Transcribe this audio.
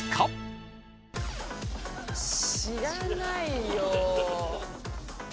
知らないよ。